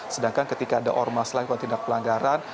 sedangkan ketika ada ormas lain melakukan tindak pelanggaran